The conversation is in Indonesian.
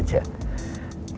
terus aku tembak aja